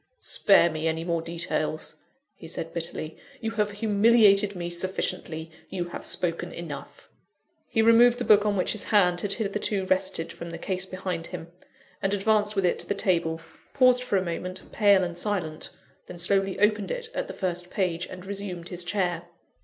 "Spare me any more details," he said, bitterly, "you have humiliated me sufficiently you have spoken enough." He removed the book on which his hand had hitherto rested from the case behind him, and advanced with it to the table paused for a moment, pale and silent then slowly opened it at the first page, and resumed his chair.